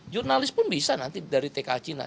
jurnalis pun bisa nanti dari tk cina